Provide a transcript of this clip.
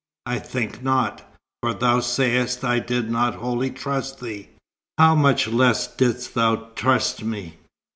I think not. For thou sayest I did not wholly trust thee. How much less didst thou trust me?"